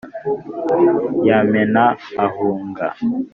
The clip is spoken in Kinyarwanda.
yamena ahunga,